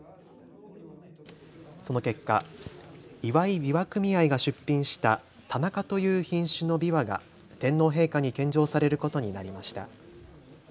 その結果、岩井枇杷組合が出品した田中という品種のびわが天皇陛下に献上されることになりました。